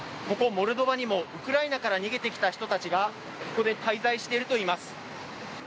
ここモルドバにも、ウクライナから逃げてきた人たちがここで滞在しているといいます。